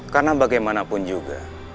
karena bagaimanapun juga